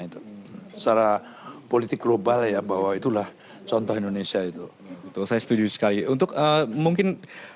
itu secara politik global ya bahwa itulah contoh indonesia itu saya setuju sekali untuk mungkin